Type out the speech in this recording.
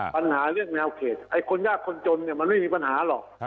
ปัญหาเรื่องแนวเขตไอ้คนยากคนจนเนี่ยมันไม่มีปัญหาหรอก